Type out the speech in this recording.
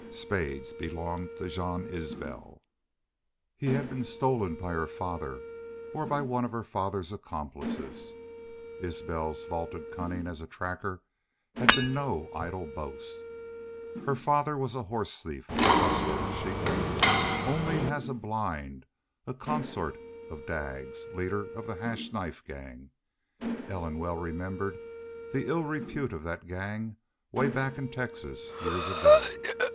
Spades belonged to Jean Isbel. He had been stolen by her father or by one of her father's accomplices. Isbel's vaunted cunning as a tracker had been no idle boast. Her father was a horse thief, a rustler, a sheepman only as a blind, a consort of Daggs, leader of the Hash Knife Gang. Ellen well remembered the ill repute of that gang, way back in Texas, years ago.